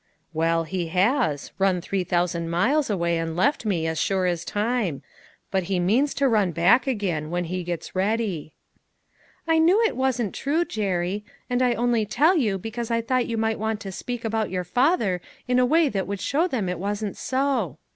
"Well, he has; run three thousand miles away, and left me, as sure as time. But he means to run back again, when' he gets ready." " I knew that wasn't true, Jerry ; and I only A BARGAIN AND A PROMISE. 173 tell you because I thought you might want to speak about your father in a way that would show them it wasn't so.